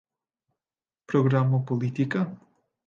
Programo politika?